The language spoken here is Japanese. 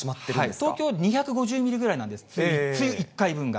東京は２５０ミリぐらいなんですね、梅雨１回分が。